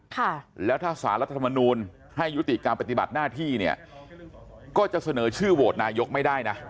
ค่ะแล้วถ้าสารรัฐธรรมนูลให้ยุติการปฏิบัติหน้าที่เนี่ยก็จะเสนอชื่อโหวตนายกไม่ได้นะ